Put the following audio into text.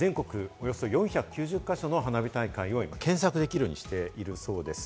およそ４９０か所の花火大会を今検索できるようにしているそうです。